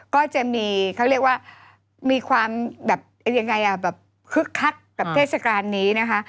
ก็จะมีความคึกคักกับเทศกาลนี้